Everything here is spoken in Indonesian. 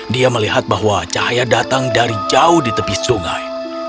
dia melihat bahwa cahaya datang dari jauh di tepi sungai